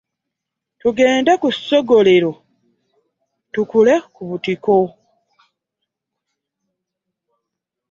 Tugende ku ssogolero tukuule ku butiko.